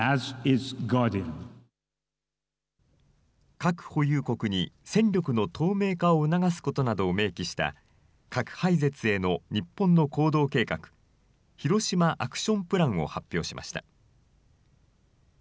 核保有国に戦力の透明化を促すことなどを明記した核廃絶への日本の行動計画、ヒロシマ・アクション・プランを発表しました。